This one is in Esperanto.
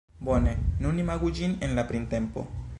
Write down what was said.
Bone, nun imagu ĝin en la printempo.